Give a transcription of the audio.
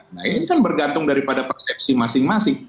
nah ini kan bergantung daripada persepsi masing masing